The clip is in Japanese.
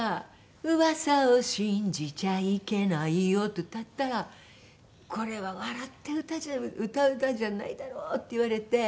「うわさを信じちゃいけないよ」って歌ったら「これは笑って歌う歌じゃないだろ！」って言われて。